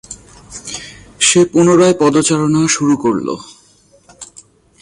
সে পুনরায় পদচারণা শুরু করল।